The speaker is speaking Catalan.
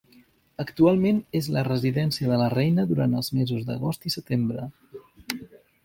Actualment és la residència de la reina durant els mesos d'agost i setembre.